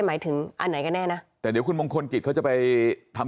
หมายถึงอันไหนก็แน่นะแต่เดี๋ยวคุณมงคลกิจเขาจะไปทำ